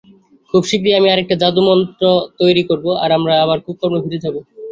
খুব শীঘ্রই আমি আরেকটি জাদুমন্ত্র তৈরি করব, আর আমরা আবার কুকর্মে ফিরে যাব!